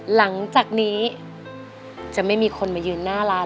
หลังจากนี้จะไม่มีคนมายืนหน้าร้าน